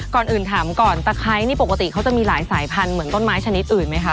ก่อนอื่นถามก่อนตะไคร้นี่ปกติเขาจะมีหลายสายพันธุ์เหมือนต้นไม้ชนิดอื่นไหมคะ